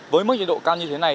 với mức nhiệt độ cao như thế này